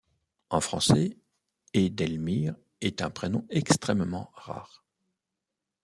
En français, Édelmire est un prénom extrêmement rare.